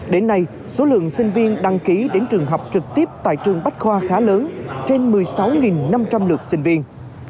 đến nay số lượng sinh viên đăng ký đến trường học trực tiếp tại trường bách khoa khá lớn trên một mươi sáu năm trăm linh lượt sinh viên